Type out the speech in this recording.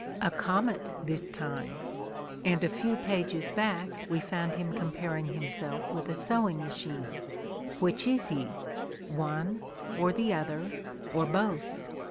A comet, this time ! And a few pages back we found him comparing himself with a sewing machine. Which is he, one, or the other, or both?